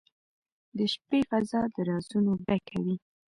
• د شپې فضاء د رازونو ډکه وي.